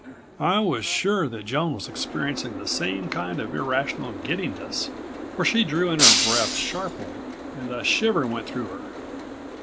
I was sure that Joan was experiencing the same kind of irrational giddiness, for she drew in her breath sharply and a shiver went through her.